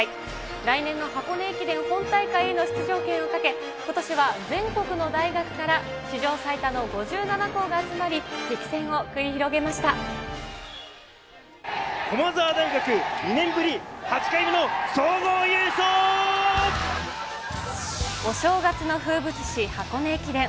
来年の箱根駅伝本大会への出場権をかけ、ことしは全国の大学から史上最多の５７校が集まり、激戦を繰り広駒澤大学２年ぶり８回目の総お正月の風物詩、箱根駅伝。